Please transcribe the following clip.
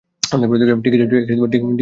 ঠিক আছে, মেরি।